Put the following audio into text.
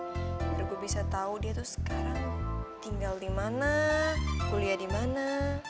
supaya gue bisa tau dia tuh sekarang tinggal dimana kuliah dimana